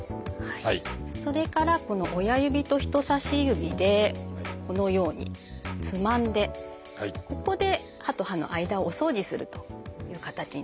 それからこの親指と人差し指でこのようにつまんでここで歯と歯の間をお掃除するという形になります。